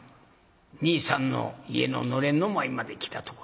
兄さんの家の暖簾の前まで来たところ。